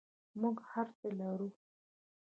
موږ هر څه لرو